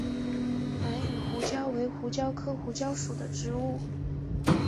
兰屿胡椒为胡椒科胡椒属的植物。